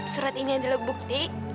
surat ini adalah bukti